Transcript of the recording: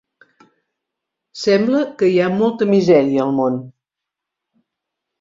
Sembla que hi ha molta misèria al món.